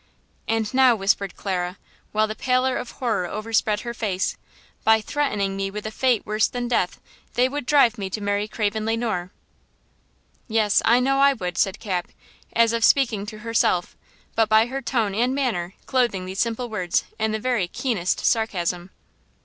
"And now," whispered Clara, while the pallor of horror overspread her face, "by threatening me with a fate worse than death, they would drive me to marry Craven Le Noir!" "Yes, I know I would!" said Cap, as if speaking to herself, but by her tone and manner clothing these simple words in the very keenest sarcasm.